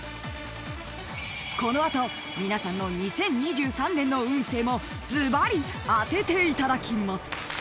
［この後皆さんの２０２３年の運勢もずばり当てていただきます］